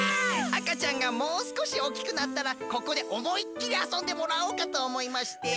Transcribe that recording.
あかちゃんがもうすこしおおきくなったらここでおもいっきりあそんでもらおうかとおもいまして。